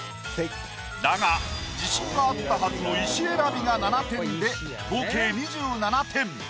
だが自信があったはずの石選びが７点で合計２７点。